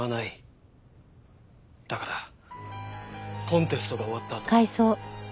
だからコンテストが終わったあと。